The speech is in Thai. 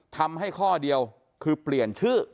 ทำให้ข้อเดียวคือเปลี่ยนชื่อ